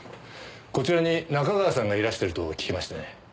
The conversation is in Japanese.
こちらに仲川さんがいらしてると聞きましてね。